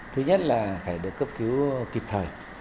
thứ nhất là phải được cấp cứu kịp thời